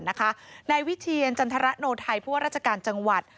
ในวิทยาลัยจันทรนโนไทยพวกราชการจังหวัด